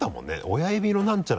親指の何ちゃら。